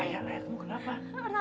ayah layakmu kenapa